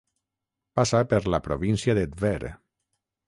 Passa per la província de Tver.